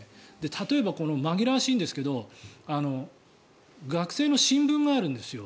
例えば、紛らわしいんですけど学生の新聞があるんですよ